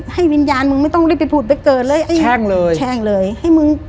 ให้วิญญาณมึงไม่ต้องรีบไปผุดไปเกิดเลยไอ้แช่งเลยแช่งเลยให้มึง